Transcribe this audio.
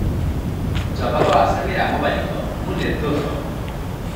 ଜବାବ ଆସାମୀ ରାମ ବାରିକ - ମୁଁ ନିର୍ଦ୍ଦୋଷ